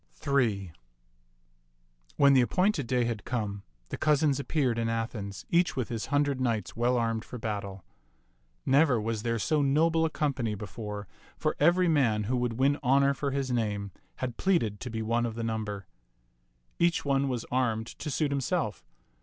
Ill When the appointed day had come, the cousins ap peared in Athens, each with his hundred knights well armed for battle. Never was there so noble a company before, for every man who would win honor for his name had pleaded to be one of the number. Each one t2}t Mnx^^fB t(xi<t 35 was armed to suit himself.